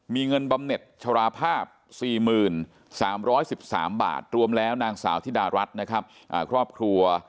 มีเงินบำเน็ตชราภาพ๔๓๑๓บาทรวมแล้วนางสาวธิดารัฐนะครับครอบครัว